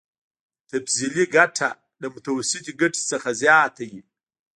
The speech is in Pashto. تفضيلي ګټه له متوسطې ګټې څخه زیاته وي